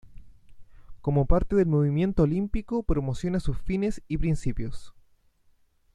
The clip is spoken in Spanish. Como parte del movimiento olímpico promociona sus fines y principios.